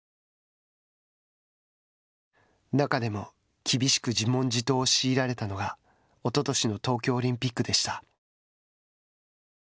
中でも、厳しく自問自答を強いられたのがおととしの東京オリンピックでした。